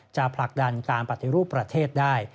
ผลักดันการปฏิรูปประเทศได้